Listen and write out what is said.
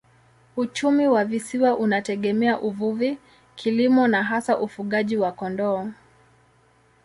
Uchumi wa visiwa unategemea uvuvi, kilimo na hasa ufugaji wa kondoo.